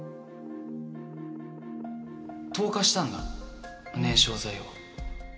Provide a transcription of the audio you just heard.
投下したんだ燃焼剤を。